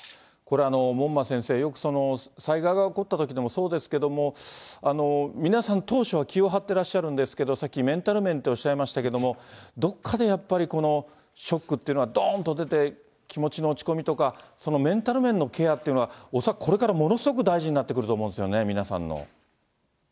門馬先生、よく災害が起こったときでもそうですけれども、皆さん当初は気を張ってらっしゃるんですけれども、さっきメンタル面っておっしゃいましたけど、どっかでやっぱりこのショックっていうのは、どんと出て、気持ちの落ち込みとか、そのメンタル面のケアっていうのは、恐らくこれからものすごく大事になってくると思うんですよね、皆さんの。